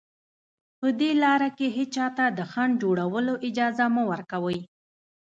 په دې لاره کې هېچا ته د خنډ جوړولو اجازه مه ورکوئ